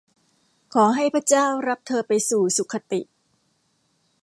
ขอให้พระเจ้ารับเธอไปสู่สุขคติ